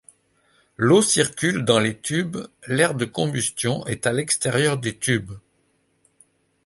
L'eau circule dans les tubes, l'air de combustion est à l'extérieur des tubes.